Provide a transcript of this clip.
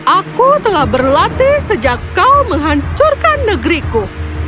aku telah berlatih sejak kau menghancurkan negeriku